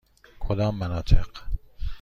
کدام مناطق؟